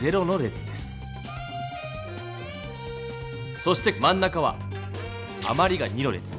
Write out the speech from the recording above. そしてまん中はあまりが２の列。